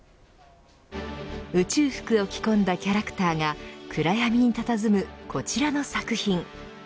宇宙服を着込んだキャラクターが暗闇にたたずむこちらの作品。